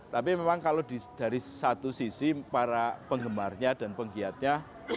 tapi memang kalau dari satu sisi para penggemarnya dan penggiatnya